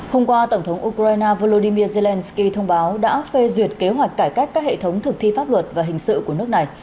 hôm qua tổng thống ukraine volodymyr zelenskyy thông báo đã phê duyệt kế hoạch cải cách các hệ thống thực thi pháp luật và hình sự của nước này